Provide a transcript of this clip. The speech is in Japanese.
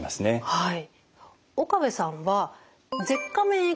はい。